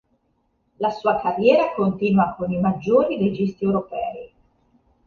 La sua carriera continua con i maggiori registi europei.